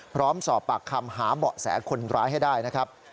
พร้อมสอบปากคำหาเบาะแสคนร้ายให้ได้นะครับ